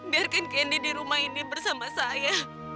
biarkan kendi di rumah ini bersama saya